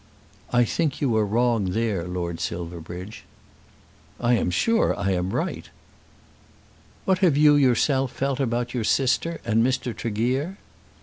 "I think you are wrong there, Lord Silverbridge." "I am sure I am right." "What have you yourself felt about your sister and Mr. Tregear?"